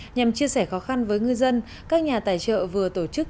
nhằm chia sẻ khó khăn với ngư dân các nhà tài trợ vừa tổ chức